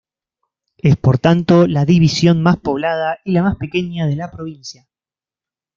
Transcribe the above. Es por tanto la división más poblada y la más pequeña de la provincia.